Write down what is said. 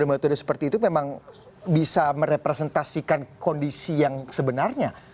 metode seperti itu memang bisa merepresentasikan kondisi yang sebenarnya